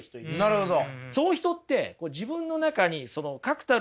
なるほど。